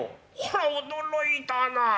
こら驚いたなあ。